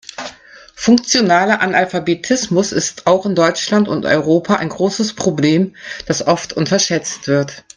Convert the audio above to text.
Funktionaler Analphabetismus ist auch in Deutschland und Europa ein großes Problem, das oft unterschätzt wird.